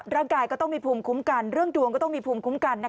ร่างกายก็ต้องมีภูมิคุ้มกันเรื่องดวงก็ต้องมีภูมิคุ้มกัน